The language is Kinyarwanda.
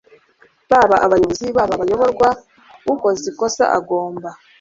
baba abayobozi, baba abayoborwa, ukoze ikosa agomba